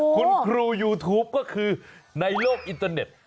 คุณครูยูทูปก็คือในโลกอินเตอร์เน็ต